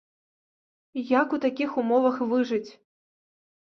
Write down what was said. І як у такіх умовах выжыць?